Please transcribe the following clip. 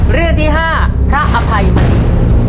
เรื่องที่๕พระอภัยมณี